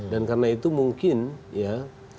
dan karena itu mungkin ya